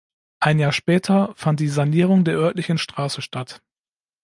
Ein Jahr später fand die Sanierung der örtlichen Straße statt.